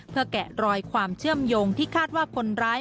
แกะรอยความเชื่อมโยงที่คาดว่าคนร้าย